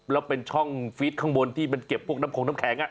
แล้วเป็นช่องฟีดข้างบนที่มันเก็บพวกน้ำคงน้ำแข็ง